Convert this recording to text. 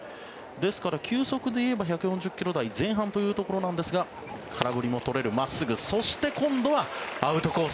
ですから、球速で言えば１４０ｋｍ台前半ですが空振りも取れる真っすぐそして今度はアウトコース